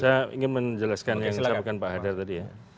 saya ingin menjelaskan yang disampaikan pak hadar tadi ya